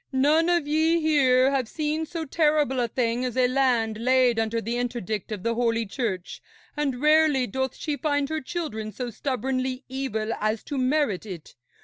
None of ye here have seen so terrible a thing as a land laid under the interdict of the Holy Church, and rarely doth she find her children so stubbornly evil as to merit it.